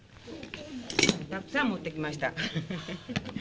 たくさん持ってきました。